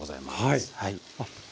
はい。